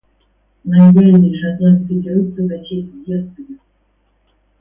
Лояльные шотландцы дерутся за честь герцога.